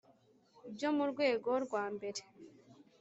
byo mu rwego rwa mbere